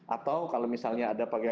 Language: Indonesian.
atau kalau misalnya ada pakaian